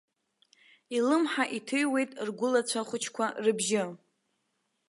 Илымҳа иҭыҩуеит ргәылацәа хәыҷқәа рыбжьы.